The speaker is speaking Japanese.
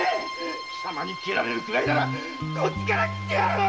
貴様に斬られるくらいならこっちから斬ってやる！